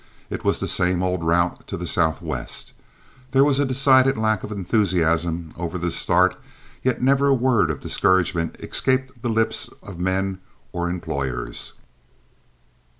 It was the same old route to the southwest, there was a decided lack of enthusiasm over the start, yet never a word of discouragement escaped the lips of men or employers.